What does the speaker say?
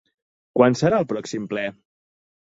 Quan serà el pròxim ple?